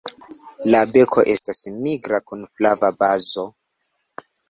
La beko estas nigra kun flava bazo.